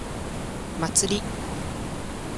祭り